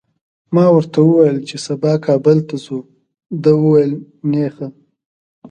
ما ورته وویل چي سبا کابل ته ځو، ده وویل نېخه!